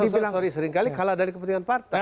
sorry sorry sorry seringkali kalah dari kepentingan partai